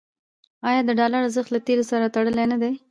آیا د ډالر ارزښت له تیلو سره تړلی نه دی؟